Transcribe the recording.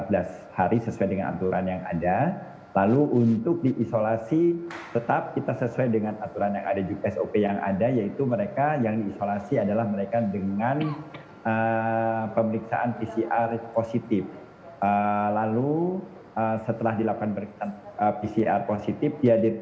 dia dirawat sesuai dengan aturan yang ada yaitu mereka yang diisolasi adalah mereka dengan pemeriksaan pcr positif